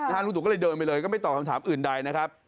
ลุงตู่ก็เลยเดินไปเลยก็ไม่ตอบคำถามอื่นใดนะครับ